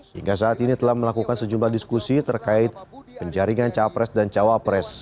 hingga saat ini telah melakukan sejumlah diskusi terkait penjaringan capres dan cawapres